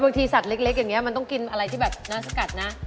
สัตว์เล็กอย่างนี้มันต้องกินอะไรที่แบบน่าสกัดนะ